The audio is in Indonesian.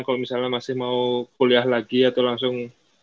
kalau misalnya masih mau kuliah lagi atau langsung